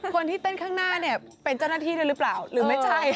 คนที่เต้นข้างหน้าเนี่ยเป็นเจ้าหน้าที่ด้วยหรือเปล่าหรือไม่ใช่